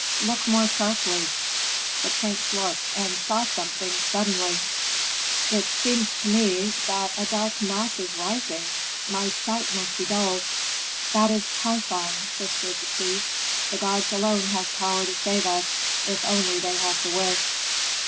"Look more sharply." The prince looked, and saw something suddenly. "It seems to me that a dark mass is rising my sight must be dulled." "That is Typhon," whispered the priest. "The gods alone have power to save us, if only they have the wish."